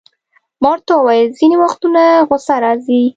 ما ورته وویل: ځیني وختونه غصه راځي.